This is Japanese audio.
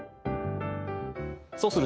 そうすると。